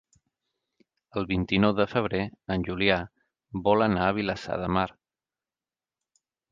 El vint-i-nou de febrer en Julià vol anar a Vilassar de Mar.